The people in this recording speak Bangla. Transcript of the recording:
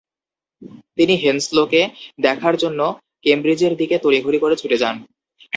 তিনি হেনস্লোকে দেখার জন্য কেমব্রিজের দিকে তড়িঘড়ি করে ছুটে যান।